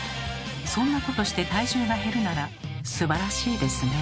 そんなことして体重が減るならすばらしいですね。